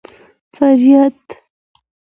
فریاد